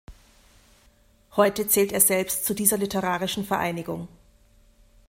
Heute zählt er selbst zu dieser literarischen Vereinigung.